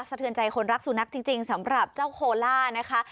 เทือนใจคนรักสุนัขจริงสำหรับเจ้าโคล่านะคะ